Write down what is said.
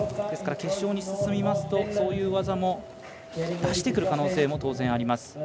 ですから決勝に進みますとそういう技も出してくる可能性も当然あります。